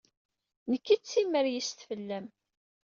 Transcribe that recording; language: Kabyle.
Nekk i d timreyyest fell-am.